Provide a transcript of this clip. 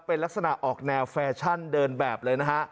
เป็นลักษณะออกแนวแฟชั่นเดินแบบเลยนะฮะ